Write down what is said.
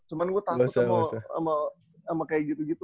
cuman gua takut sama kayak gitu gitu